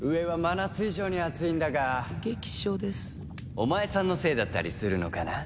お前さんのせいだったりするのかな？